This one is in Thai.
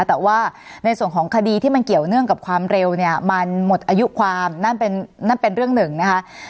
แต่ว่าในส่วนของคดีที่มันเกี่ยวเนื่องกับความเร็วเนี่ยมันหมดอายุความนั่นเป็นเรื่องหนึ่งนะคะ